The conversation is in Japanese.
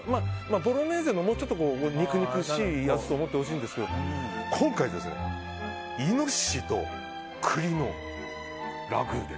ボロネーゼのもうちょっと肉々しいやつと思ってほしいんですけど今回イノシシと栗のラグー。